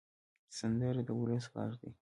سندره د ولس غږ دی